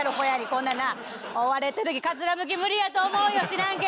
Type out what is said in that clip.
こんなにな追われてる時かつらむき無理やと思うよ知らんけど。